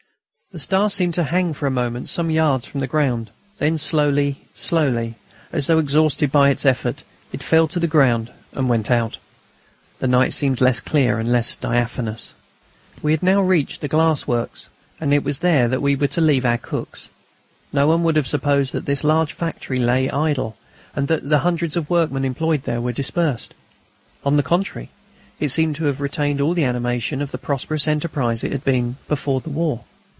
The star seemed to hang for a moment some yards from the ground; then slowly, slowly, as though exhausted by its effort, it fell to the ground and went out. The night seemed less clear and less diaphanous. We had now reached the glass works and it was there that we were to leave our cooks. No one would have supposed that this large factory lay idle, and that the hundreds of workmen employed there were dispersed. On the contrary, it seemed to have retained all the animation of the prosperous enterprise it had been before the war.